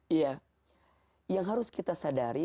iya yang harus kita sadari